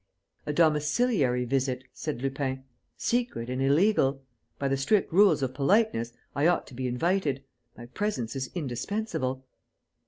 "A domiciliary visit," said Lupin. "Secret and illegal. By the strict rules of politeness, I ought to be invited. My presence is indispensable."